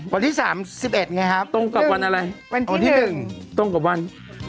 วันที่สามสิบเอ็ดไงครับตรงกับวันอะไรวันที่หนึ่งตรงกับวัน